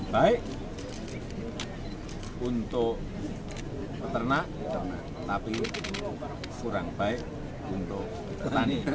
baik untuk peternak tapi kurang baik untuk petani